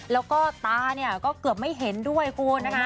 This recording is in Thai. แล้วก็ตาเนี่ยก็เกือบไม่เห็นด้วยคุณนะคะ